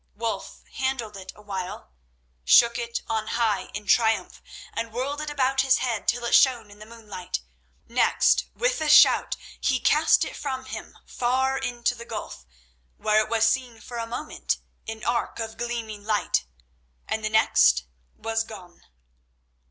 Wulf handled it awhile, shook it on high in triumph, and whirled it about his head till it shone in the moonlight. Next, with a shout he cast it from him far into the gulf, where it was seen for a moment, an arc of gleaming light, and the next was gone.